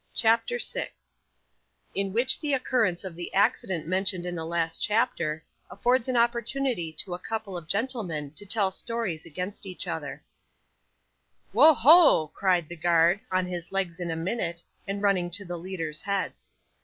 CHAPTER 6 In which the Occurrence of the Accident mentioned in the last Chapter, affords an Opportunity to a couple of Gentlemen to tell Stories against each other 'Wo ho!' cried the guard, on his legs in a minute, and running to the leaders' heads.